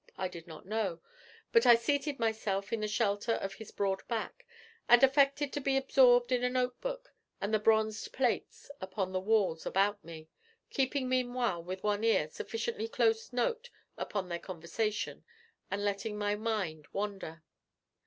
I did not know; but I seated myself in the shelter of his broad back, and affected to be absorbed in a notebook and the bronzed plates upon the walls about me, keeping meanwhile, with one ear, sufficiently close note upon their conversation, and letting my mind wander.